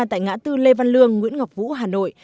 tại ngã tư lê văn lương nguyễn ngọc vũ hà nội